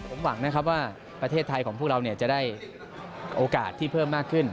ผมหวังนะครับว่าประเทศไทยของพวกเราจะได้โอกาสที่เพิ่มมากขึ้น